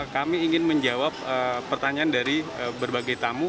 kami ingin menjawab pertanyaan dari berbagai tamu